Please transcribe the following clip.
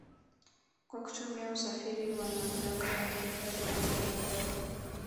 Kwa kutumia usafiri wa mamlaka ya hifadhi ya ngorongoro